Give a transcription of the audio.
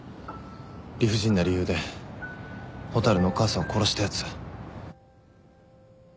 理不尽な理由で蛍のお母さんを殺したやつ。